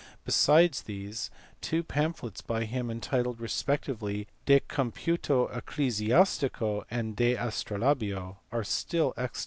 lea these, two pamphlets by him entitled respectively De Compute // xi txfico and De Astrolabio are still extant.